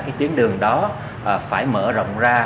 cái tuyến đường đó phải mở rộng ra